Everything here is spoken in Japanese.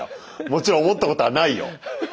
もちろん思ったことはないよ。